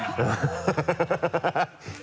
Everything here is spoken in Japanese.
ハハハ